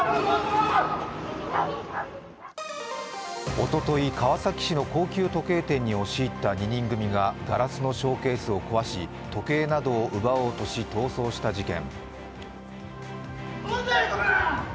おととい、川崎市の高級時計店に押し入った２人組がガラスのショーケースを壊し時計などを奪おうとし逃走した事件。